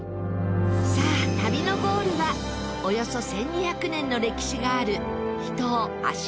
さあ旅のゴールはおよそ１２００年の歴史がある秘湯芦ノ牧温泉。